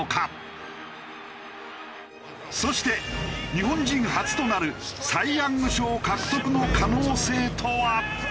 そして日本人初となるサイ・ヤング賞獲得の可能性とは？